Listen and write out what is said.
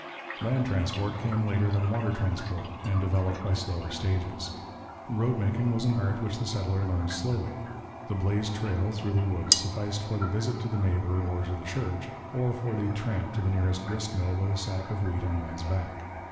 Land transport came later than water transport, and developed by slower stages. Road making was an art which the settler learned slowly. The blazed trail through the woods sufficed for the visit to the neighbour or the church, or for the tramp to the nearest grist mill with a sack of wheat on one's back.